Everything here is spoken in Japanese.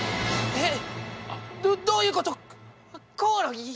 えっ？